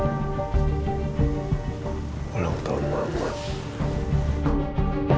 apa besok gue tanya mama aja